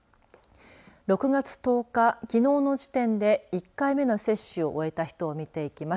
６月１０日、きのうの時点で１回目の接種を終えた人を見ていきます。